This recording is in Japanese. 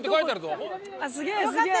すげえすげえ！